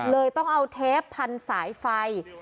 เลยต้องเอาเทปพันสายไฟ